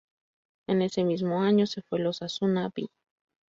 En ese mismo año se fue al Osasuna "B".